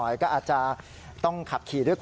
ออกไปทางขวาแล้ว